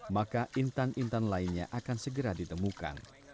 maka intan intan lainnya akan segera ditemukan